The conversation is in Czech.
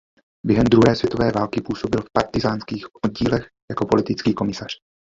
Během druhé světové války působil v partyzánských oddílech jako politický komisař.